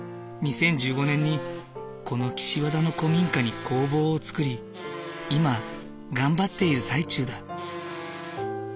２０１５年にこの岸和田の古民家に工房を作り今頑張っている最中だ。